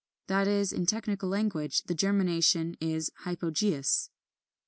That is, in technical language, the germination is hypogæous.